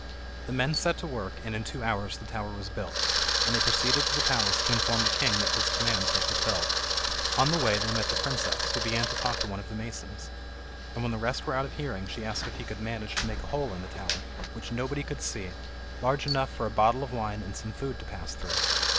The men set to work, and in two hours the tower was built, and they proceeded to the palace to inform the king that his commands were fulfilled. On the way they met the princess, who began to talk to one of the masons, and when the rest were out of hearing she asked if he could manage to make a hole in the tower, which nobody could see, large enough for a bottle of wine and some food to pass through.